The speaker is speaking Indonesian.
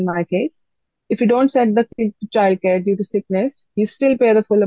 jika anak anak tidak diberi ke rumah